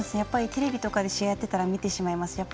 テレビとかで試合やってたら見てしまいます。